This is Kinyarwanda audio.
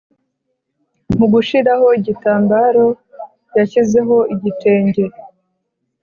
mugushiraho igitambaro yashyizeho igitenge